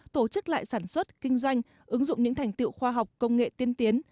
tổ chức lại sản xuất kinh doanh ứng dụng những thành tựu khoa học công nghệ tiên tiến